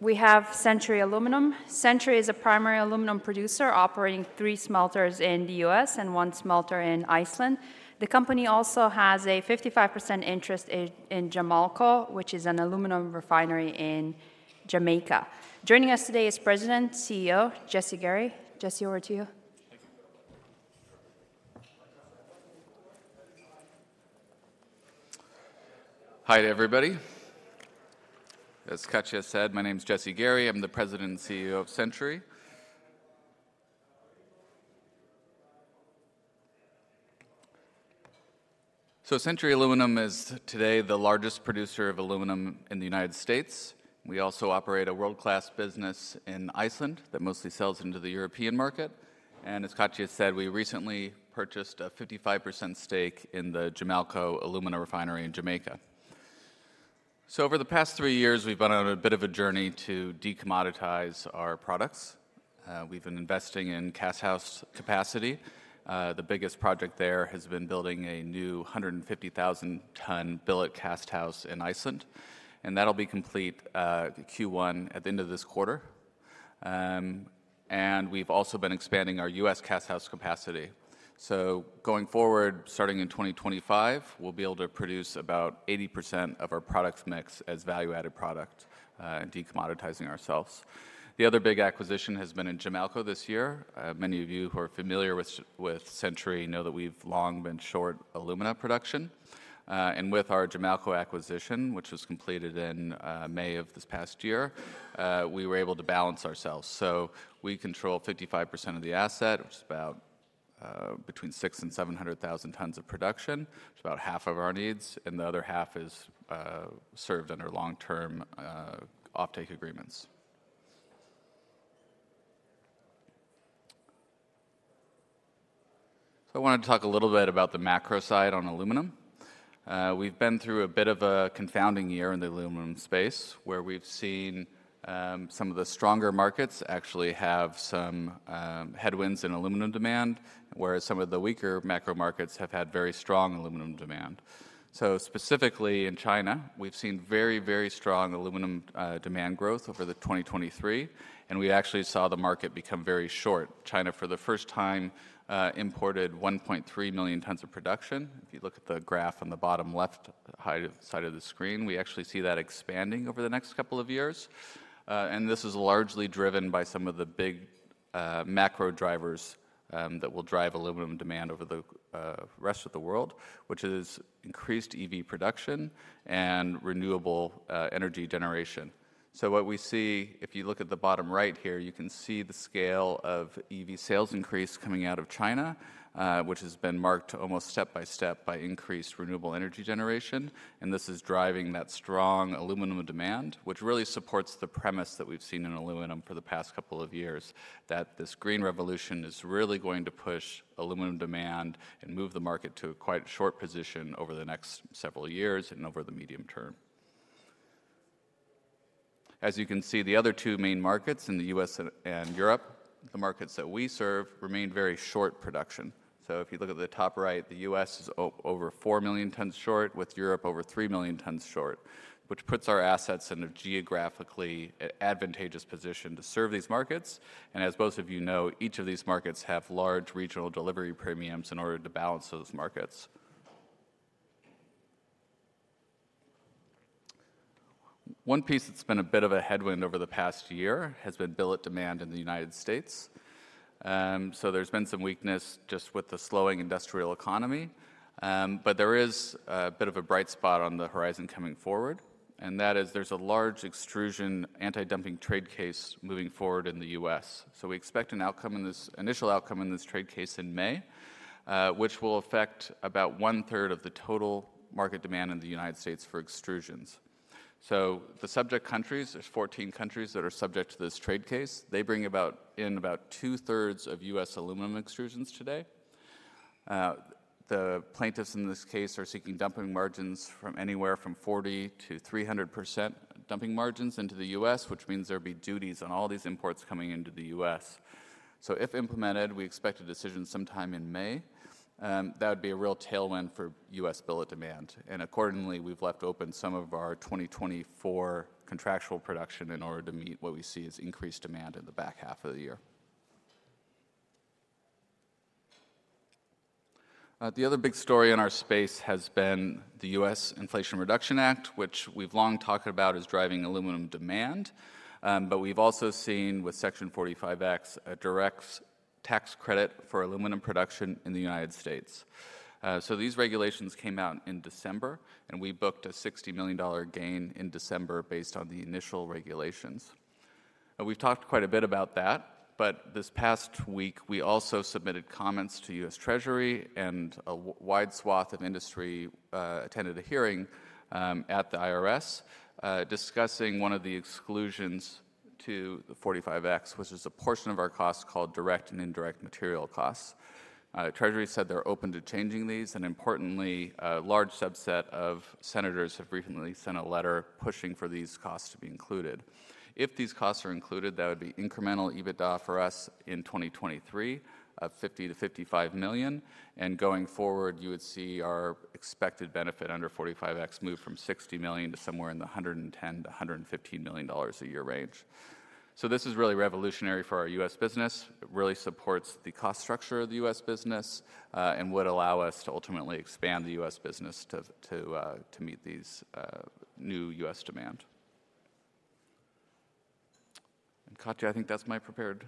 We have Century Aluminum. Century is a primary aluminum producer operating three smelters in the U.S. and one smelter in Iceland. The company also has a 55% interest in Jamalco, which is an alumina refinery in Jamaica. Joining us today is President and CEO Jesse Gary. Jesse, over to you. Thank you. Hi to everybody. As Katja said, my name is Jesse Gary. I'm the President and CEO of Century. So Century Aluminum is today the largest producer of aluminum in the United States. We also operate a world-class business in Iceland that mostly sells into the European market. And as Katja said, we recently purchased a 55% stake in the Jamalco alumina refinery in Jamaica. So over the past three years, we've been on a bit of a journey to de-commoditize our products. We've been investing in casthouse capacity. The biggest project there has been building a new 150,000-ton billet casthouse in Iceland, and that'll be complete Q1 at the end of this quarter. And we've also been expanding our U.S. casthouse capacity. So going forward, starting in 2025, we'll be able to produce about 80% of our product mix as value-added product, and de-commoditizing ourselves. The other big acquisition has been in Jamalco this year. Many of you who are familiar with Century know that we've long been short alumina production. And with our Jamalco acquisition, which was completed in May of this past year, we were able to balance ourselves. So we control 55% of the asset, which is about between 600,000-700,000 tons of production. It's about half of our needs, and the other half is served under long-term offtake agreements. So I wanted to talk a little bit about the macro side on aluminum. We've been through a bit of a confounding year in the aluminum space, where we've seen some of the stronger markets actually have some headwinds in aluminum demand, whereas some of the weaker macro markets have had very strong aluminum demand. So specifically in China, we've seen very, very strong aluminum demand growth over the 2023, and we actually saw the market become very short. China, for the first time, imported 1.3 million tons of production. If you look at the graph on the bottom left side of the screen, we actually see that expanding over the next couple of years. And this is largely driven by some of the big macro drivers that will drive aluminum demand over the rest of the world, which is increased EV production and renewable energy generation. So what we see, if you look at the bottom right here, you can see the scale of EV sales increase coming out of China, which has been marked almost step by step by increased renewable energy generation. And this is driving that strong aluminum demand, which really supports the premise that we've seen in aluminum for the past couple of years, that this green revolution is really going to push aluminum demand and move the market to a quite short position over the next several years and over the medium term. As you can see, the other two main markets in the U.S. and Europe, the markets that we serve, remain very short production. So if you look at the top right, the U.S. is over 4 million tons short, with Europe over 3 million tons short, which puts our assets in a geographically advantageous position to serve these markets. And as most of you know, each of these markets have large regional delivery premiums in order to balance those markets. One piece that's been a bit of a headwind over the past year has been billet demand in the United States. So there's been some weakness just with the slowing industrial economy, but there is a bit of a bright spot on the horizon coming forward, and that is there's a large extrusion anti-dumping trade case moving forward in the U.S. So we expect an outcome in this initial outcome in this trade case in May, which will affect about one-third of the total market demand in the United States for extrusions. So the subject countries, there's 14 countries that are subject to this trade case. They bring about in about two-thirds of U.S. aluminum extrusions today. The plaintiffs in this case are seeking dumping margins from anywhere from 40% to 300% dumping margins into the U.S., which means there'll be duties on all these imports coming into the U.S. So if implemented, we expect a decision sometime in May, that would be a real tailwind for U.S. billet demand. And accordingly, we've left open some of our 2024 contractual production in order to meet what we see as increased demand in the back half of the year. The other big story in our space has been the U.S. Inflation Reduction Act, which we've long talked about as driving aluminum demand, but we've also seen with Section 45X, a direct tax credit for aluminum production in the United States. So these regulations came out in December, and we booked a $60 million gain in December based on the initial regulations. We've talked quite a bit about that, but this past week, we also submitted comments to U.S. Treasury, and a wide swath of industry attended a hearing at the IRS, discussing one of the exclusions to the 45X, which is a portion of our costs called direct and indirect material costs. Treasury said they're open to changing these, and importantly, a large subset of senators have recently sent a letter pushing for these costs to be included... If these costs are included, that would be incremental EBITDA for us in 2023, of $50-$55 million, and going forward, you would see our expected benefit under 45X move from $60 million to somewhere in the $110-$115 million a year range. So this is really revolutionary for our U.S. business. It really supports the cost structure of the U.S. business, and would allow us to ultimately expand the U.S. business to meet these new U.S. demand. And Katja, I think that's my prepared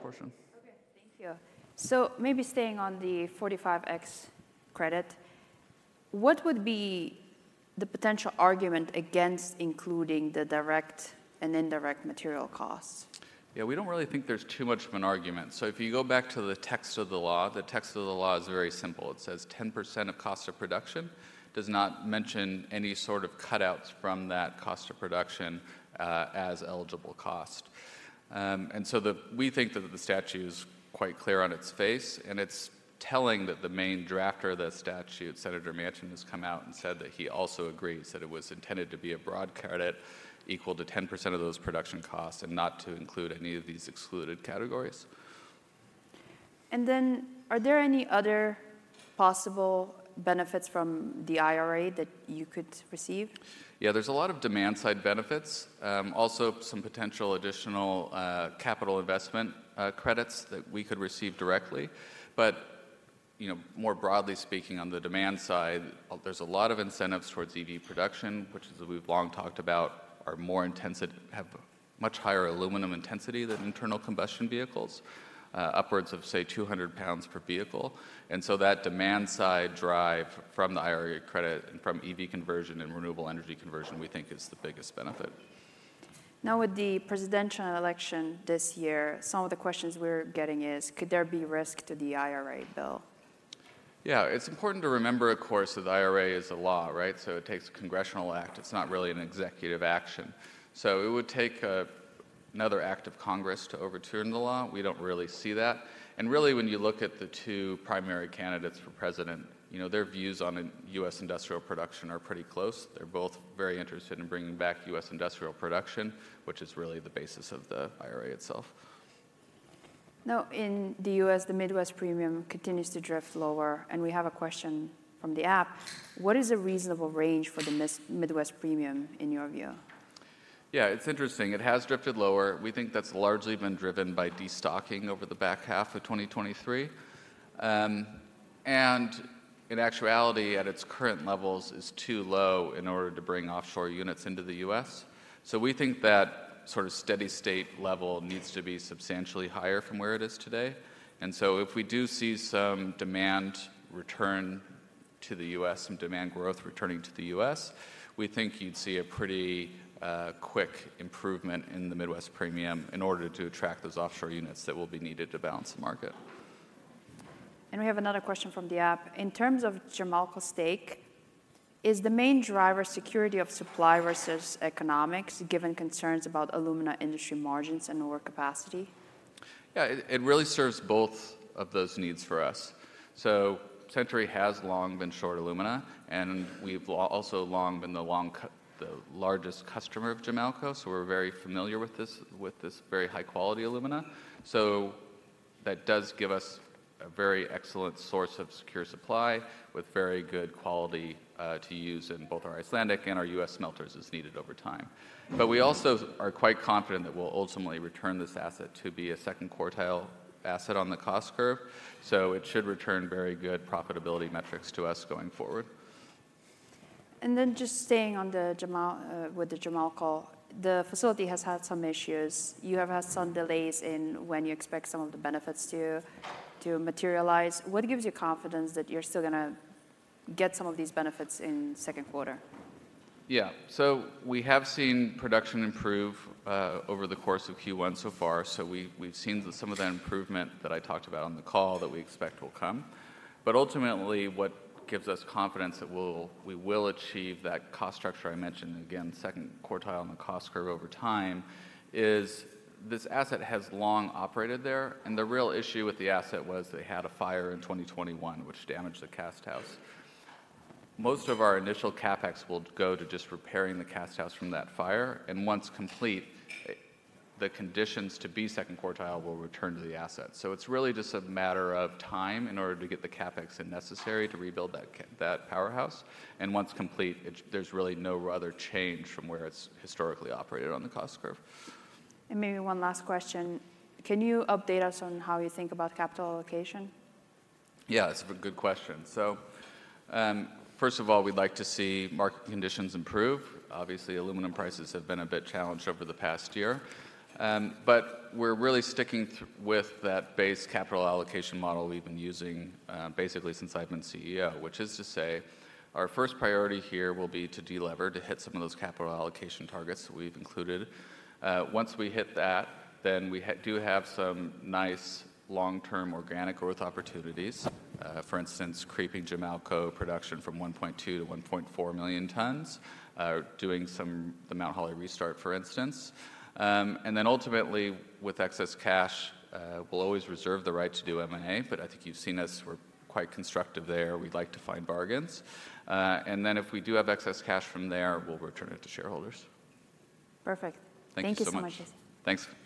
portion. Okay, thank you. So maybe staying on the 45X credit, what would be the potential argument against including the direct and indirect material costs? Yeah, we don't really think there's too much of an argument. So if you go back to the text of the law, the text of the law is very simple. It says 10% of cost of production, does not mention any sort of cutouts from that cost of production, as eligible cost. And so we think that the statute is quite clear on its face, and it's telling that the main drafter of the statute, Senator Manchin, has come out and said that he also agrees, that it was intended to be a broad credit equal to 10% of those production costs, and not to include any of these excluded categories. Are there any other possible benefits from the IRA that you could receive? Yeah, there's a lot of demand-side benefits, also some potential additional, capital investment, credits that we could receive directly. But, you know, more broadly speaking, on the demand side, there's a lot of incentives towards EV production, which as we've long talked about, are more intensive- have much higher aluminum intensity than internal combustion vehicles, upwards of, say, 200 lbs per vehicle. And so that demand side drive from the IRA credit, and from EV conversion and renewable energy conversion, we think is the biggest benefit. Now, with the presidential election this year, some of the questions we're getting is: Could there be risk to the IRA bill? Yeah. It's important to remember, of course, that the IRA is a law, right? So it takes a congressional act, it's not really an executive action. So it would take another act of Congress to overturn the law. We don't really see that, and really, when you look at the two primary candidates for president, you know, their views on U.S. industrial production are pretty close. They're both very interested in bringing back U.S. industrial production, which is really the basis of the IRA itself. Now, in the U.S., the Midwest Premium continues to drift lower, and we have a question from the app: What is a reasonable range for the Midwest Premium, in your view? Yeah, it's interesting. It has drifted lower. We think that's largely been driven by destocking over the back half of 2023. And in actuality, at its current levels, it's too low in order to bring offshore units into the U.S. So we think that sort of steady state level needs to be substantially higher from where it is today. And so if we do see some demand return to the U.S., some demand growth returning to the U.S., we think you'd see a pretty quick improvement in the Midwest Premium in order to attract those offshore units that will be needed to balance the market. We have another question from the app: In terms of Jamalco stake, is the main driver security of supply versus economics, given concerns about alumina industry margins and overcapacity? Yeah, it really serves both of those needs for us. So Century has long been short alumina, and we've also long been the largest customer of Jamalco, so we're very familiar with this, with this very high-quality alumina. So that does give us a very excellent source of secure supply, with very good quality, to use in both our Icelandic and our U.S. smelters, as needed over time. But we also are quite confident that we'll ultimately return this asset to be a second quartile asset on the cost curve, so it should return very good profitability metrics to us going forward. Then just staying on the Jamalco, the facility has had some issues. You have had some delays in when you expect some of the benefits to materialize. What gives you confidence that you're still gonna get some of these benefits in the second quarter? Yeah. So we have seen production improve over the course of Q1 so far. So we, we've seen some of that improvement that I talked about on the call that we expect will come. But ultimately, what gives us confidence that we'll achieve that cost structure I mentioned, again, second quartile on the cost curve over time, is this asset has long operated there, and the real issue with the asset was they had a fire in 2021, which damaged the casthouse. Most of our initial CapEx will go to just repairing the casthouse from that fire, and once complete, the conditions to be second quartile will return to the asset. So it's really just a matter of time in order to get the CapEx in necessary to rebuild that powerhouse, and once complete, there's really no other change from where it's historically operated on the cost curve. Maybe one last question: Can you update us on how you think about capital allocation? Yeah, it's a good question. So, first of all, we'd like to see market conditions improve. Obviously, aluminum prices have been a bit challenged over the past year, but we're really sticking with that base capital allocation model we've been using, basically since I've been CEO, which is to say our first priority here will be to delever, to hit some of those capital allocation targets that we've included. Once we hit that, then we do have some nice long-term organic growth opportunities. For instance, creeping Jamalco production from 1.2 to 1.4 million tons, doing some the Mt. Holly restart, for instance. And then ultimately, with excess cash, we'll always reserve the right to do M&A, but I think you've seen us, we're quite constructive there. We'd like to find bargains. And then if we do have excess cash from there, we'll return it to shareholders. Perfect. Thank you so much. Thank you so much. Thanks.